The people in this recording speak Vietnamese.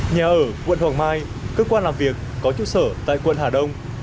nhà ở quận hoàng mai cơ quan làm việc có trụ sở tại quận hà đông